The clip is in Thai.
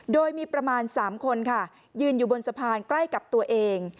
โดยมีประมาณ๓คนค่ะยืนอยู่บนสะพานใกล้กับตัวเอง